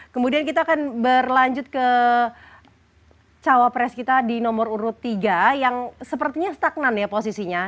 kemudian kita akan berlanjut ke cawapres kita di nomor urut tiga yang sepertinya stagnan ya posisinya